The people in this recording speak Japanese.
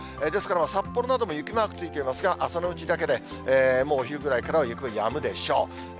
ですから、札幌なども雪マークついていますが、朝のうちだけで、もうお昼ぐらいからは雪もやむでしょう。